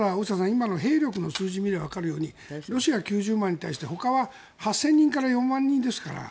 今の兵力の数字を見ればわかるようにロシア９０万人に対して、ほかは８０００人から４万人ですから。